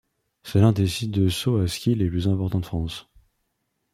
C'est l'un des sites de saut à ski les plus importants de France.